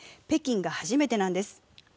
北京が初めてなんです。